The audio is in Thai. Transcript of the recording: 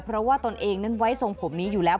เพราะว่าตนเองนั้นไว้ทรงผมนี้อยู่แล้ว